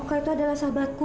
kau juga senang